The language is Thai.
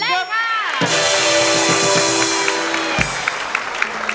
เล่นค่ะ